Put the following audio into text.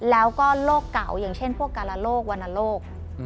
แล้วก็โรคเก่าอย่างเช่นพวกกาลโลกวรรณโรค